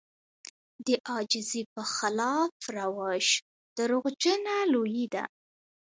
د عاجزي په خلاف روش دروغجنه لويي ده.